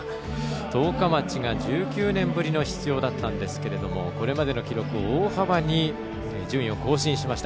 十日町が１９年ぶりの出場だったんですがこれまでの記録を大幅に順位を更新しました。